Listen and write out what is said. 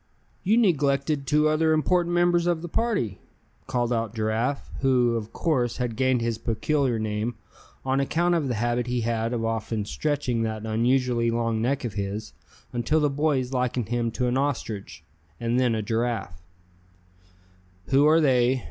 "You neglected two other important members of the party!" called out Giraffe, who, of course had gained his peculiar name on account of the habit he had of often stretching that unusually long neck of his, until the boys likened him to an ostrich, and then a giraffe. "Who are they?"